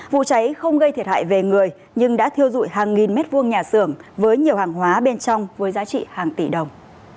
vụ cháy không gây thiệt hại về người nhưng đã thiêu dụi hàng nghìn mét vuông nhà xưởng với nhiều hàng hóa bên trong với giá trị hàng tỷ đồng